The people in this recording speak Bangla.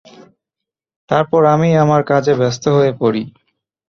তারপর আমি আমার কাজে ব্যস্ত হয়ে পরি।